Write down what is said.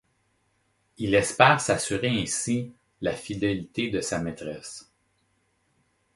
Il espère s'assurer ainsi la fidélité de sa maîtresse.